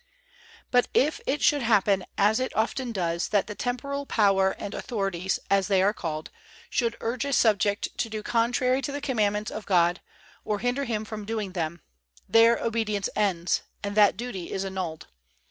But if it should happen, as it often does, that the temporal power and authorities, as they are called, should urge a subject to do contrary to the Commandments of God, or hinder him from doing them, there obedience ends, and that duty is annulled.